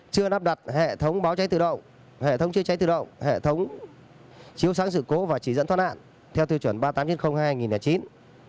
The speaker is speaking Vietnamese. chưa đáp đặt hệ thống báo cháy tự động hệ thống chứa cháy tự động hệ thống chiếu sáng sự cố và chỉ dẫn thoát nạn theo tiêu chuẩn ba mươi tám nghìn chín trăm linh hai hai nghìn chín